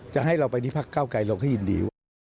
จะให้เราไปที่ภาคก้าวไกลเราก็ยินดี